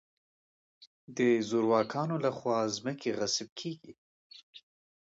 د زورواکانو له خوا ځمکې غصب کېږي.